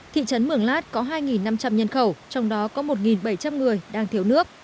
thị trấn mường lát có hai năm trăm linh nhân khẩu trong đó có một bảy trăm linh người đang thiếu nước